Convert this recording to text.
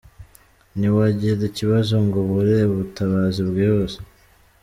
Ntiwagira ikibazo ngo ubure ubutabazi bwihuse.